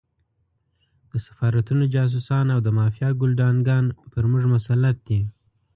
د سفارتونو جاسوسان او د مافیا ګُلډانګان پر موږ مسلط دي.